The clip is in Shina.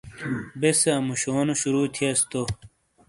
بے سے اموشونو شروع تھیس تو